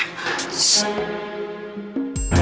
gue mau pergi ke rumah